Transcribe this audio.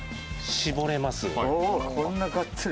絞れます。